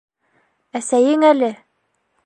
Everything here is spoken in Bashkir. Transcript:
Әсәйең әле!